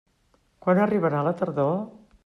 Quan arribarà la tardor?